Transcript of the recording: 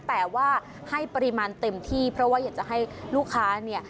แต่ว่าให้ปริมาณเต็มที่เพราะว่าอยากจะให้ลูกค้าเนี่ย